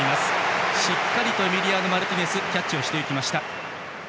しっかりとエミリアーノ・マルティネスがキャッチしてきました。